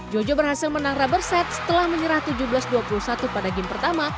jojo berhasil menang rubber set setelah menyerah tujuh belas dua puluh satu pada game pertama